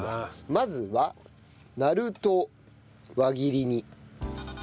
まずはなるとを輪切りに。